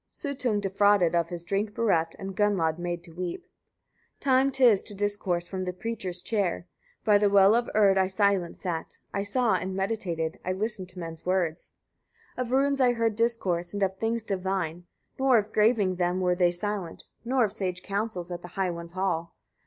Suttung defrauded, of his drink bereft, and Gunnlod made to weep! 112. Time 'tis to discourse from the preacher's chair. By the well of Urd I silent sat, I saw and meditated, I listened to men's words. 113. Of runes I heard discourse, and of things divine, nor of graving them were they silent, nor of sage counsels, at the High One's hall.